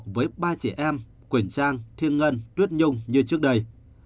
với ba chị em quỳnh trang thiên ngân tuyết nhung như trước đây